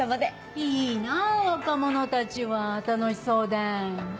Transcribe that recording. いいな若者たちは楽しそうで。